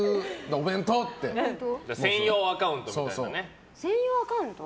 お弁当専用アカウントみたいな。